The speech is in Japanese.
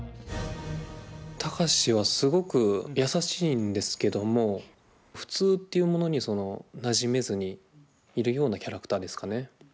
貴司はすごく優しいんですけども普通っていうものになじめずにいるようなキャラクターですかね。